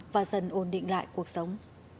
và dần ổn định lại cuộc sống